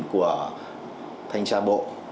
của thanh tra bộ